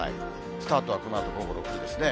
スタートはこのあと午後６時ですね。